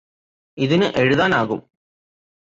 ഇതിന് എഴുതാനാകും